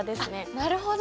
なるほど。